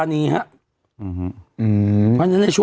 หน้าเป็นห่วงนะครับ